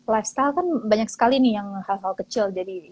lifestyle kan banyak sekali nih yang hal hal kecil